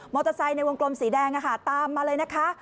มอเตอร์ไซค์ในวงกลมสีแดงนะคะตามมาเลยนะคะ